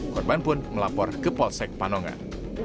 korban pun melapor ke polsek panongan